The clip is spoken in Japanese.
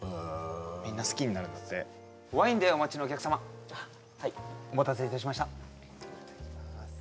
みんな好きになるんだってワインでお待ちのお客様はいお待たせいたしましたご